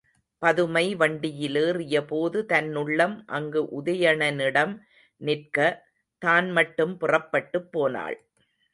பதுமை வண்டியிலேறியபோது தன்னுள்ளம் அங்கு உதயணனிடம் நிற்க, தான் மட்டும் புறப்பட்டுப் போனாள்.